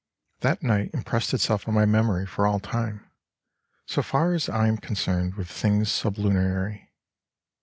That night impressed itself on my memory for all time, so far as I am concerned with things sublunary.